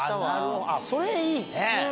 それいいね。